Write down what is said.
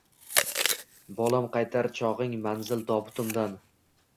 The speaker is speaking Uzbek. Bolam qaytar choging manzil tobutimdan